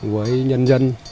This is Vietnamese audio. với nhân dân